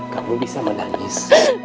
kamu bisa menangis